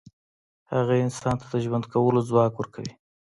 هیله انسان ته د ژوند کولو ځواک ورکوي.